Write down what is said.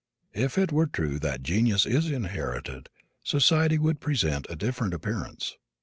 If it were true that genius is inherited society would present a different appearance.